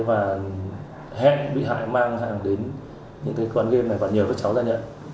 và hẹn bị hại mang hàng đến những cái quán game này và nhờ các cháu ra nhận